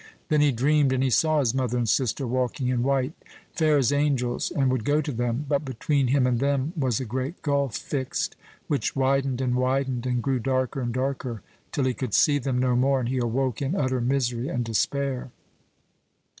Then he dreamed, and he saw his mother and sister walking in white, fair as angels, and would go to them; but between him and them was a great gulf fixed, which widened and widened, and grew darker and darker, till he could see them no more, and he awoke in utter misery and despair.